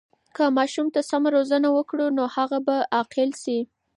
که ماشوم ته سمه روزنه وکړو، نو هغه به عاقل سي.